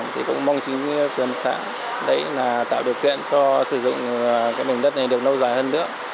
thì cũng mong chính quân xã tạo điều kiện cho sử dụng cái bình đất này được lâu dài hơn nữa